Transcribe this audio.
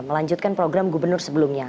melanjutkan program gubernur sebelumnya